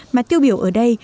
mà tiêu biểu ở đây